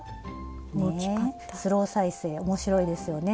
ねスロー再生面白いですよね。